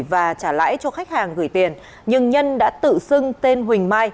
và trả lãi cho khách hàng gửi tiền nhưng nhân đã tự xưng tên huỳnh mai